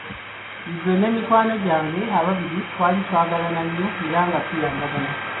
Nze ne mikwano gyange ababiri twali twagalana nnyo era nga tuyambagana.